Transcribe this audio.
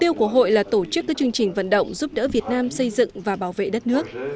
hội hữu nghị pháp việt là tổ chức các chương trình vận động giúp đỡ việt nam xây dựng và bảo vệ đất nước